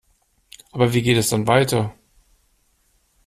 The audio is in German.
Aber wie geht es dann weiter?